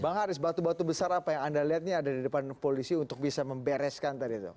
bang haris batu batu besar apa yang anda lihat ini ada di depan polisi untuk bisa membereskan tadi itu